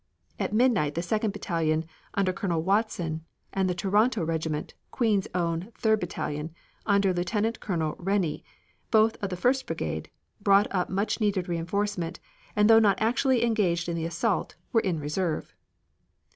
At midnight the Second battalion, under Colonel Watson, and the Toronto regiment, Queen's Own, Third battalion, under Lieutenant Colonel Rennie, both of the First brigade, brought up much needed reinforcement, and though not actually engaged in the assault, were in reserve.